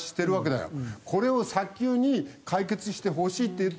これを早急に解決してほしいって言ってて。